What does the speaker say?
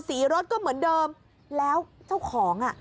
สีรถก็เหมือนเดิมแล้วเจ้าของอ่ะ